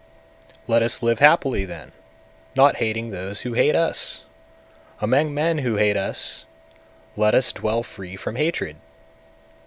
Let us live happily then, not hating those who hate us! among men who hate us let us dwell free from hatred!